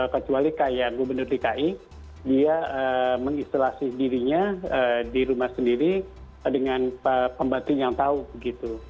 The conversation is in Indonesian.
kecuali kayak gubernur dki dia mengisolasi dirinya di rumah sendiri dengan pembatin yang tahu begitu